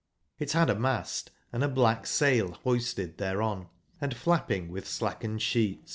It hada mast, and a black sail hoisted thereon and flapping with slackened sheet.